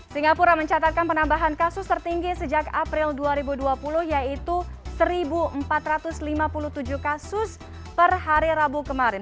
singapura mencatatkan penambahan kasus tertinggi sejak april dua ribu dua puluh yaitu satu empat ratus lima puluh tujuh kasus per hari rabu kemarin